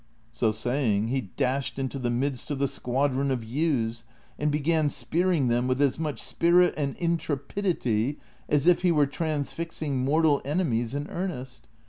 So saying, he dashed into the midst of the squadron of ewes, and began spearing them with as much spirit and intrepidity as if he Avere transfixing mortal enemies in earnest.